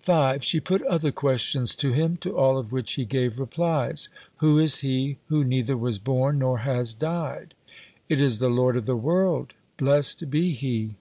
5. She put other questions to him, to all of which he gave replies. "Who is he who neither was born nor has died?" "It is the Lord of the world, blessed be He."